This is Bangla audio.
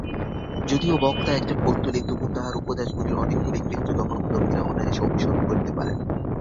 যদিও বক্তা একজন পৌত্তলিক, তবুও তাঁহার উপদেশাবলীর অনেকগুলি খ্রীষ্টধর্মাবলম্বীরা অনায়াসে অনুসরণ করিতে পারেন।